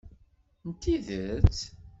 N tidet?